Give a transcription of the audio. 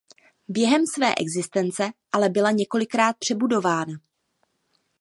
Během své existence ale byla několikrát přebudována.